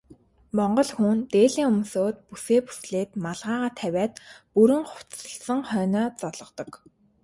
Монгол хүн дээлээ өмсөөд, бүсээ бүслээд малгайгаа тавиад бүрэн хувцасласан хойноо золгодог.